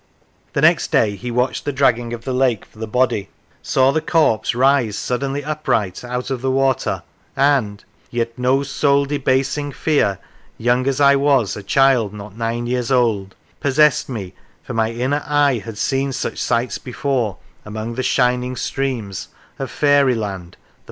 The next day he watched the dragging of the lake for the body, saw the corpse rise suddenly, upright, out of the water, and yet no soul debasing fear, Young as I was, a child not nine years old, Possessed me, for my inner eye had seen Such sights before, among the shining streams Of faery land, the forest of romance.